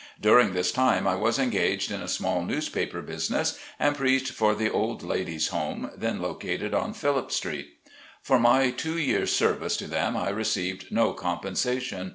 During this time I was engaged in a small newspaper business and preached for the Old Ladies' Home, then located on Phillip Street. For my two years' service to them I received no compensation.